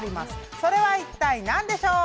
それは一体何でしょう？